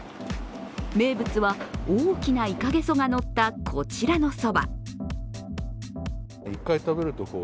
名物は、大きないかげそがのったこちらのそば。